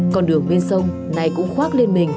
con đường bên sông này cũng khoác lên mình